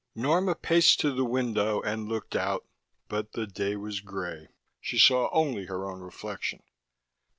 Norma paced to the window and looked out, but the day was gray: she saw only her own reflection.